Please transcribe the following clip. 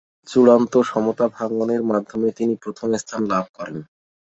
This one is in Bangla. চূড়ান্ত সমতা-ভাঙনের মাধ্যমে তিনি প্রথম স্থান লাভ করেন।